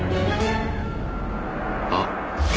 あっ。